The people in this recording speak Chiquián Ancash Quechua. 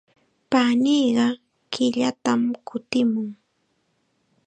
Paniiqa killatam kutimun.